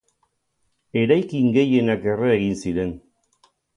Eraikin gehienak erre egin ziren.